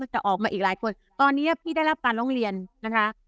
แต่ออกมาอีกหลายคนตอนนี้พี่ได้รับการร้องเรียนนะคะ